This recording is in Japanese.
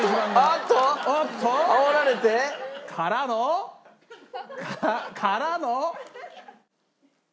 あっとあおられて。からの？からの？